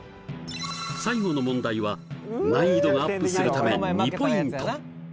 最後の問題は難易度がアップするため２ポイント